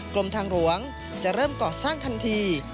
กรมทางหลวงจะเริ่มก่อสร้างทันที